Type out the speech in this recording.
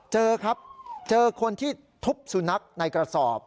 เจอครับเจอคนที่ทุบสุนัขในกระสอบ